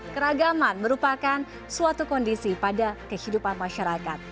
keragaman merupakan suatu kondisi pada kehidupan masyarakat